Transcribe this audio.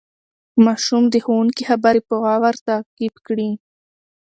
ماشوم د ښوونکي خبرې په غور تعقیب کړې